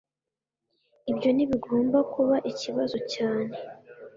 ibyo ntibigomba kuba ikibazo cyane